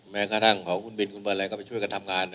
แม้กระทั่งของคุณบินคุณบอลอะไรก็ไปช่วยกันทำงาน